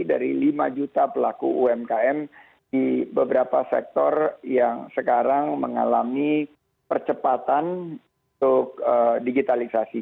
dari lima juta pelaku umkm di beberapa sektor yang sekarang mengalami percepatan untuk digitalisasi